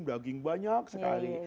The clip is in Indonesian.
daging banyak sekali